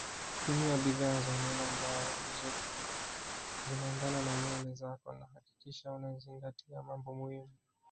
Tumia bidhaa za nywele ambazo zinaendana na nywele zako na hakikisha unazingatia mambo muhimu